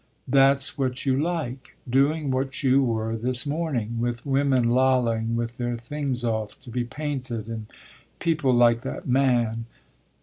"That's what you like doing what you were this morning; with women lolling, with their things off, to be painted, and people like that man."